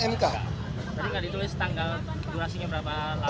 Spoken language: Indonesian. tadi nggak ditulis tanggal durasinya berapa lama